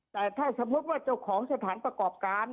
แต่ถ้าสมมุติว่าเจ้าของสถานประกอบการ